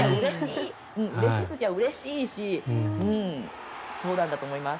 うれしい時はうれしいしそうなんだと思います。